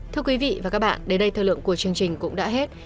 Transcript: thưa quý vị và các bạn đến đây thời lượng của chương trình cũng đã hết